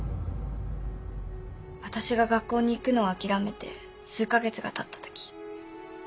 私が学校に行くのを諦めて数か月がたった時。